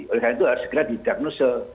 oleh karena itu harus segera didiagnosa